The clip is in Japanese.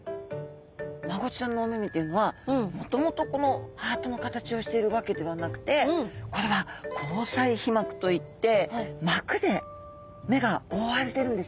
マゴチちゃんのお目目っていうのはもともとこのハートの形をしているわけではなくてこれは虹彩皮膜といって膜で目が覆われてるんですね。